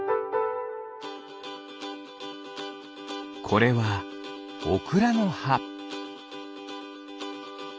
これはオクラのは。